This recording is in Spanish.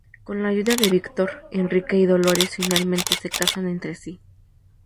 Con la ayuda de Viktor, Enrique y Dolores finalmente se casan entre sí.